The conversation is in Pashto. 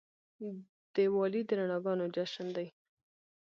دیوالي د رڼاګانو جشن دی.